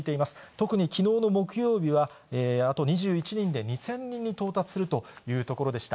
特にきのうの木曜日はあと２１人で２０００人に到達するというところでした。